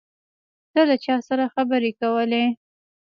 ته له چا سره خبرې کولې؟